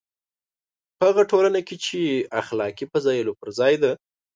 په هغه ټولنه کې چې اخلاقي فضایلو پر ځای ده.